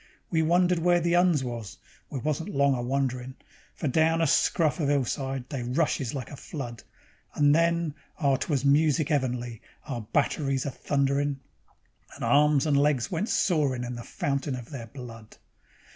We wondered where the 'Uns was we wasn't long a wonderin', For down a scruff of 'ill side they rushes like a flood; Then oh! 'twas music 'eavenly, our batteries a thunderin', And arms and legs went soarin' in the fountain of their blood.